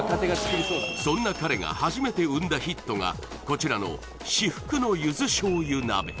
そんな彼が初めて生んだヒットがこちらの至福のゆず醤油鍋